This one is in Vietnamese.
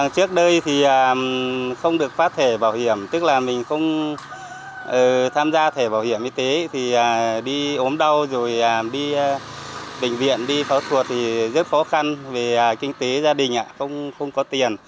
trước đây thì không được phát thẻ bảo hiểm tức là mình không tham gia thẻ bảo hiểm y tế thì đi ốm đau rồi đi bệnh viện đi pháo thuột thì rất khó khăn vì kinh tế gia đình không có tiền